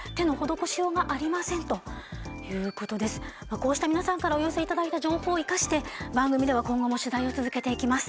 こうした皆さんからお寄せいただいた情報を生かして番組では今後も取材を続けていきます。